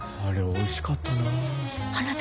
あれおいしかったなあ。